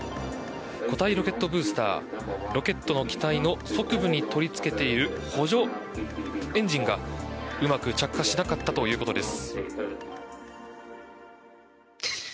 個体ロケットブースターロケットの機体の側部に取りつけている補助エンジンがうまく着火しなかったということです。